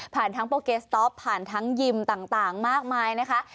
ทั้งโปเกสต๊อปผ่านทั้งยิมต่างมากมายนะคะ